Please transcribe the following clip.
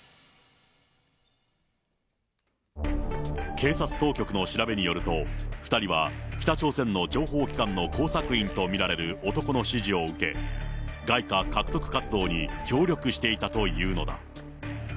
警察当局の調べによると、２人は北朝鮮の情報機関の工作員と見られる男の指示を受け、外貨獲得活動に、協力していたというのだ。